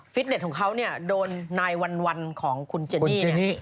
ฟิตเน็ตของเขาเนี่ยโดน๙๑๑ของคุณเจนี่เนี่ย